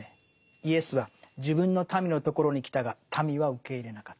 「イエスは自分の民の所に来たが民は受け入れなかった」。